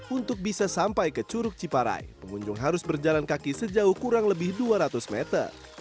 untuk bisa sampai ke curug ciparai pengunjung harus berjalan kaki sejauh kurang lebih dua ratus meter